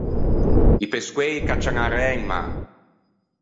I pescoei caccian a ræ in mâ.